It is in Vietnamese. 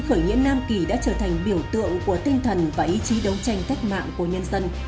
khởi nghĩa nam kỳ đã trở thành biểu tượng của tinh thần và ý chí đấu tranh cách mạng của nhân dân